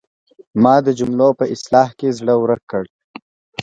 ما د جملو په اصلاح کې زړه ورک کړ.